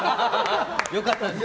良かったです。